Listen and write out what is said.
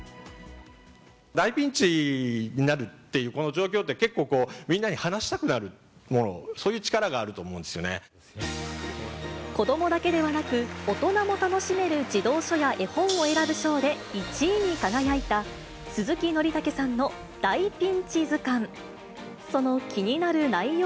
大ピンチになるって、この状況って、結構こう、みんなに話したくなるもの、そういう力がある子どもだけではなく、大人も楽しめる児童書や絵本を選ぶ賞で１位に輝いた、鈴木のりたけさんの大ピンチずかん。